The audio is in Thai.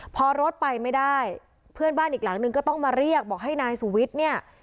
พอรถไปไม่ได้เพื่อนบ้านอีกหลังนึงก็ต้องมาเรียกบอกให้นายสุวิทย์เนี่ย